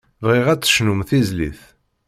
Bɣiɣ ad d-tecnum tizlit.